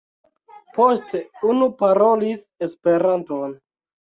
Poste unu parolis Esperanton.